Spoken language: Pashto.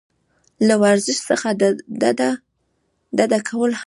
له ورزش څخه ډډه کول هم یو علت دی.